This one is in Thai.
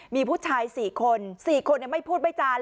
มีผู้ชายสี่คนสี่คนเนี่ยไม่พูดไปจาน